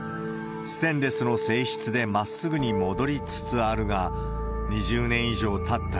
ステンレスの性質でまっすぐに戻りつつあるが、２０年以上たった